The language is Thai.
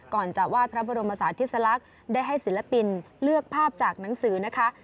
ก่อนจะวาดพระบรมศาสติสลักษณ์ได้ให้ศิลปินเลือกภาพจากหนังสือนะคะ